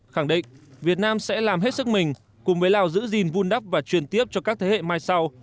khẳng định việt nam sẽ làm hết sức mình cùng với lào giữ gìn vun đắp và truyền tiếp cho các thế hệ mai sau